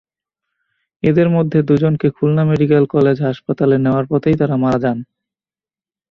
এঁদের মধ্যে দুজনকে খুলনা মেডিকেল কলেজ হাসপাতালে নেওয়ার পথেই তাঁরা মারা যান।